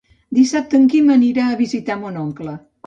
Dissabte en Quim anirà a visitar mon oncle.